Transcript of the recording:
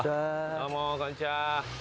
どうもこんにちは。